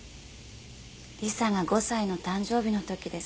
理沙が５歳の誕生日の時です。